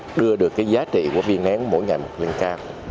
chúng ta đưa được giá trị của viên nén mỗi nhà một lên cao